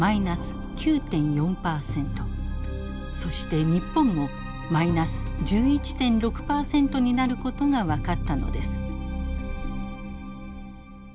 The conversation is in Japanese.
そして日本もマイナス１１．６％になることが分かったのです。